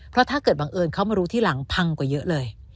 เพราะถ้าเกิดบังเอิญเขามารู้ทีหลังพังกว่าเยอะเลย